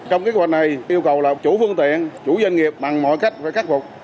trong kế hoạch này yêu cầu là chủ phương tiện chủ doanh nghiệp bằng mọi cách phải khắc phục